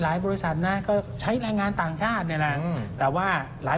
บริษัทนะก็ใช้แรงงานต่างชาติเนี่ยนะแต่ว่าหลาย